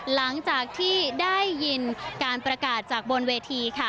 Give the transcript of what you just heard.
หลังจากที่ได้ยินการประกาศจากบนเวทีค่ะ